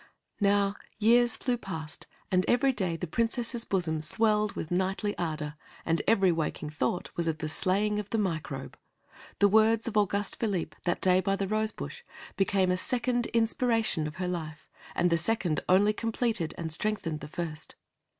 Now, years flew past, and every day the Princess's bosom swelled with knightly ardor, and every waking thought was of the slaying of the Microbe. The words of Auguste Philippe that day by the rosebush became the second inspiration of her life, and the second only completed and strengthened the first.